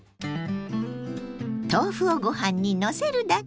豆腐をご飯にのせるだけ！